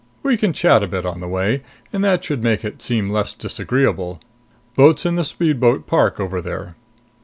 We can chat a bit on the way, and that should make it seem less disagreeable. Boat's in the speedboat park over there."